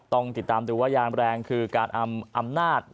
ต้องติดตามดูว่ายางแรงคือการอำนาจ